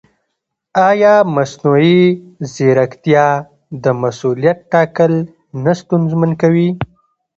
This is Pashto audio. ایا مصنوعي ځیرکتیا د مسؤلیت ټاکل نه ستونزمن کوي؟